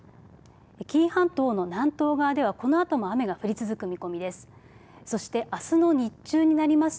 紀伊半島の南東側ではこのあとも雨が降り続く見込みです。